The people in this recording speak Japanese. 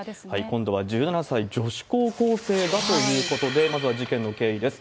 今度は１７歳女子高校生だということで、まずは事件の経緯です。